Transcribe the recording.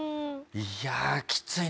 いやあきついね。